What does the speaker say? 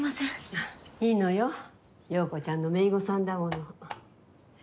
あっいいのよ洋子ちゃんのめいごさんだもの。